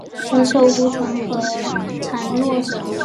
何首乌藤和木莲藤缠络着